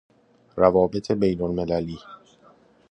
روابط بین المللی